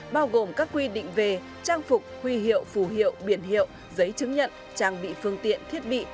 bao gồm các quy định về trang phục huy hiệu phù hiệu biển hiệu giấy chứng nhận trang bị phương tiện thiết bị